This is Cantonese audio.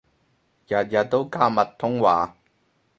日日都加密通話